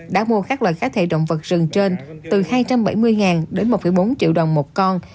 đã mua các loại cá thể động vật rừng trên từ hai trăm bảy mươi đến một bốn triệu đồng một con